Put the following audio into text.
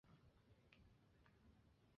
巴尔德斯皮诺则声称将不惜抹黑其声誉。